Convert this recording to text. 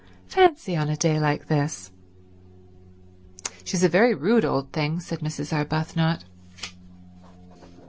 "Fancy on a day like this." "She's a very rude old thing," said Mrs. Arbuthnot.